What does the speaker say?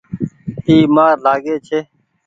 اي مآر لآگي ڇي ۔